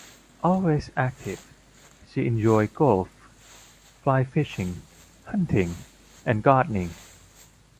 Always active, she enjoyed golf, fly-fishing, hunting, and gardening.